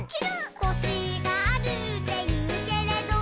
「コシがあるっていうけれど」